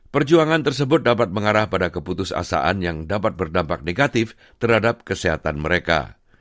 perjuangan tersebut dapat mengarah pada keputusasaan yang dapat berdampak negatif terhadap kesehatan mereka